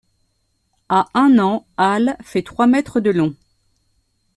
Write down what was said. À un an, Al fait trois mètres de long.